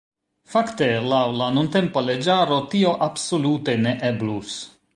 Fakte laŭ la nuntempa leĝaro tio absolute ne eblus.